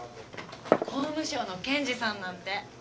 法務省の検事さんなんて。